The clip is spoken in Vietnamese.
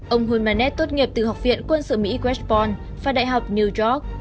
ông hunmanet tốt nghiệp từ học viện quân sự mỹ westbourne và đại học new york